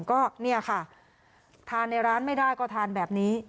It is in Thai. ก็เนี่ยค่ะทานในร้านไม่ได้ก็ทานแบบนี้